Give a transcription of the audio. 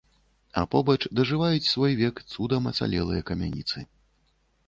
А побач дажываюць свой век цудам ацалелыя камяніцы.